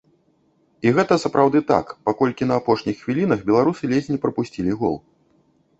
І гэта сапраўды так, паколькі на апошніх хвілінах беларусы ледзь не прапусцілі гол.